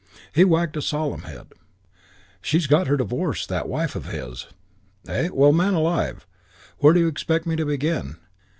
He wagged a solemn head: "She's got her divorce, that wife of his.... "Eh?... Well, man alive, where do you expect me to begin?